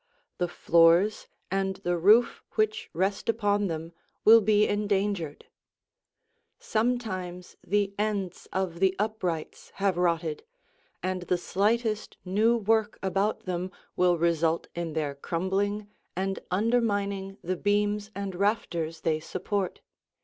The floors and the roof which rest upon them will be endangered. Sometimes the ends of the uprights have rotted, and the slightest new work about them will result in their crumbling and undermining the beams and rafters they support.